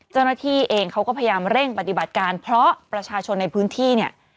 เจ้าหน้าที่เองเขาก็พยายามเร่งปฏิบัติการเพราะประชาชนในพื้นที่เนี่ย